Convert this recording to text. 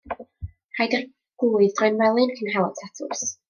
Rhaid i'r glwydd droi'n felyn cyn hel y tatws.